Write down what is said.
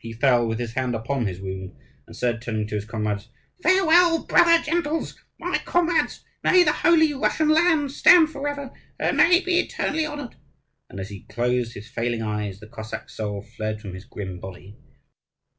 He fell with his hand upon his wound, and said, turning to his comrades, "Farewell, brother gentles, my comrades! may the holy Russian land stand forever, and may it be eternally honoured!" And as he closed his failing eyes, the Cossack soul fled from his grim body.